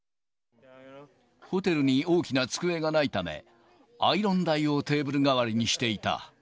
ホテルに大きな机がないため、アイロン台をテーブル代わりにしていた。